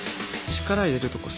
力入れるとこ